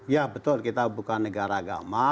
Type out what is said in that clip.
ya betul kita bukan negara agama